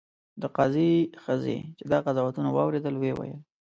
د قاضي ښځې چې دا قضاوتونه واورېدل ویې ویل.